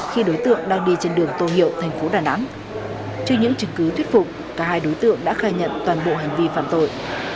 khi đối tượng đang đi trên đường tô hiệu thành phố đà nẵng trước những chứng cứ thuyết phục cả hai đối tượng đã khai nhận toàn bộ hành vi phạm tội